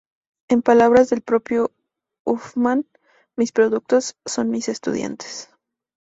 En palabras del propio Huffman, ""Mis productos son mis estudiantes"".